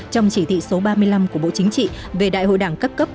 trong chỉ thị số ba mươi năm của bộ chính trị về đại hội đảng cấp cấp